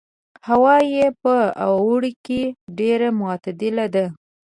هوا یې په اوړي کې ډېره معتدله ده.